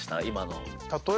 今の。